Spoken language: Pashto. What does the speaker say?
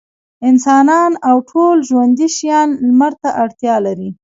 انسانان او ټول ژوندي شيان لمر ته اړتيا لري.